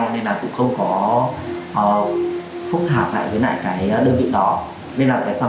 lần đầu tại